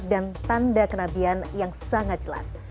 dan tanda kenabian yang sangat jelas